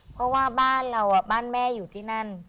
เพราะว่าบ้านมันอยู่ที่นั่น